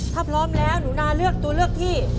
ถ้าพร้อมแล้วหนูนาเลือกตัวเลือกที่